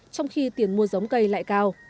trong khi tiền mua giống cây lại cao